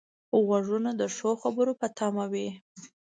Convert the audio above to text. غوږونه د ښو خبرو په تمه وي